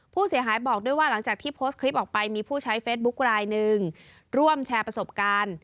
ผู้เสียหายบอกด้วยว่าหลังจากที่โพสต์คลิปออกไปมีผู้ใช้เฟซบุ๊คลายหนึ่งร่วมแชร์ประสบการณ์